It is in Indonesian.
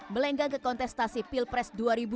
melenggang ke kontestasi pilpres dua ribu dua puluh